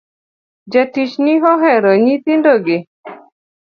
Jatijni ohero nyithindo gi